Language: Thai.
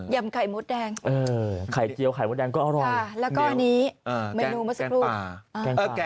ำไข่มดแดงไข่เจียวไข่มดแดงก็อร่อยแล้วก็อันนี้เมนูเมื่อสักครู่